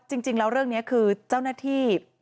จริงแล้วเรื่องนี้คือเจ้าหน้าที่